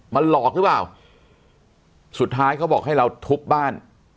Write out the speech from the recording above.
มันหลอกหรือเปล่าสุดท้ายเขาบอกให้เราทุบบ้าน